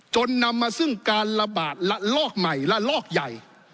จนนำมาซึ่งการระบาดระลอกใหม่และลอกใหญ่